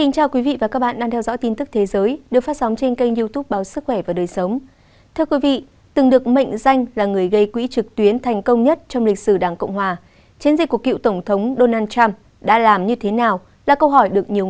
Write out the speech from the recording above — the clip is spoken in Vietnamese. các bạn hãy đăng ký kênh để ủng hộ kênh của chúng mình nhé